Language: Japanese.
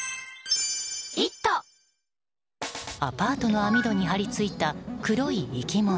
アパートの網戸に張り付いた黒い生き物。